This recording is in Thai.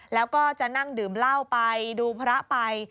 แล้วก็จะนั่งดื่มเหล้าไปดูพระไป